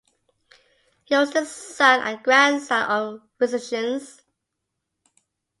He was the son and grandson of physicians.